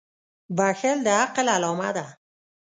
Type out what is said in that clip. • بښل د عقل علامه ده.